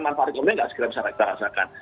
manfaatnya mungkin nggak segera bisa kita rasakan